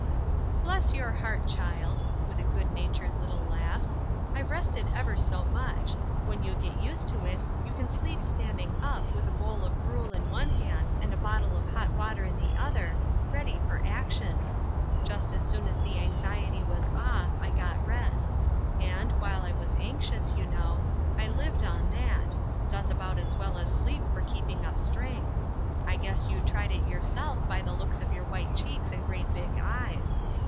" Bless your heart, child " (with a good natured little laugh) ! "I've rested ever so much. When you get used to it, you can sleep standing up, with a bowl of gruel in one hand, and a bottle of hot water in the other, ready foi action. Just as soon as the anxiety was off, I got rest ; and, while I was anxious, you know, J 222 liuth Erskiiie's Crosses. lived on that — does about as well as sleep for keeping up strength ; I guess you tried it your self, by the looks of your white cheeks and great big eyes